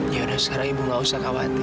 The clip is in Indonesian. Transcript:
ya udah sekarang ibu gak usah khawatir